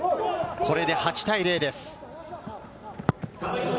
これで８対０です。